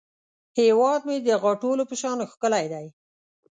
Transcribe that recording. هیواد مې د غاټولو په شان ښکلی دی